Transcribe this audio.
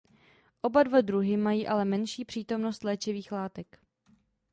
Oba dva druhy mají ale menší přítomnost léčivých látek.